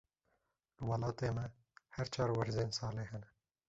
Li welatê me, her çar werzên salê hene.